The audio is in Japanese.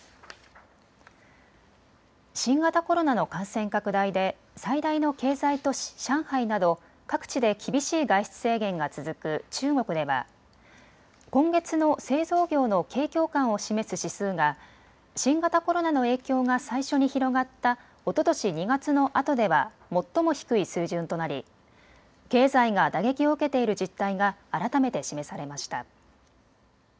新型コロナの感染拡大で最大の経済都市、上海など各地で厳しい外出制限が続く中国では今月の製造業の景況感を示す指数が新型コロナの影響が最初に広がったおととし２月のあとでは最も低い水準となり経済が打撃を受けている実態が改めて示されました。